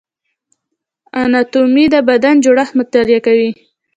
اناتومي د بدن جوړښت مطالعه کوي